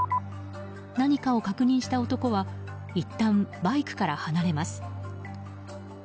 何かを確認した男はいったんバイクから離れます。